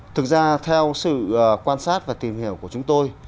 thực ra theo sự quan sát và tìm hiểu của chúng tôi